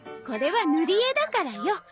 これは塗り絵だからよ。